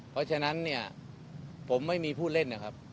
เพราะฉะนั้นเนี่ยผมไม่มีผู้เล่นนะครับ